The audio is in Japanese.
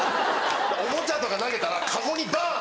おもちゃとか投げたらカゴにバン！